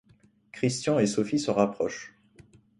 Christian et Sophie se rapprochent.